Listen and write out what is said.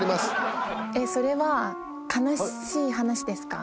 それは悲しい話ですか？